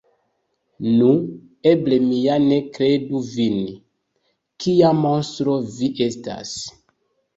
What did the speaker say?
Nu, eble mi ja ne kredu vin! Kia monstro vi estas!